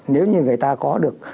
nếu như người ta có được